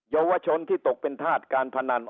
เยาวชนที่ตกเป็นธาตุการพนัน